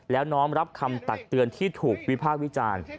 แล้วน้อมรับคำตักเตือนที่ถูกวิพากษ์วิจารณ์